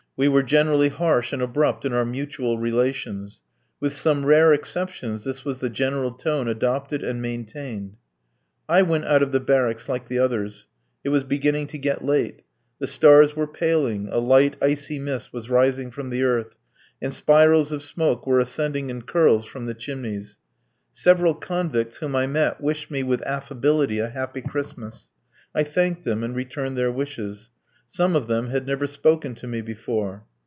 We were generally harsh and abrupt in our mutual relations. With some rare exceptions this was the general tone adopted and maintained. I went out of the barracks like the others. It was beginning to get late. The stars were paling, a light, icy mist was rising from the earth, and spirals of smoke were ascending in curls from the chimneys. Several convicts whom I met wished me, with affability, a happy Christmas. I thanked them and returned their wishes. Some of them had never spoken to me before.